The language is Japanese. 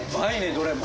どれも。